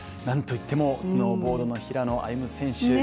なんといってもスノーボードの平野歩夢選手